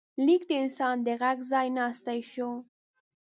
لیک د انسان د غږ ځای ناستی شو.